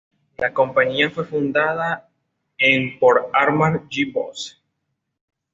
La compañía fue fundada en por Amar G. Bose.